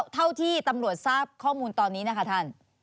เท่าที่ตำรวจทราบข้อมูลตอนนี้นะคะท่าน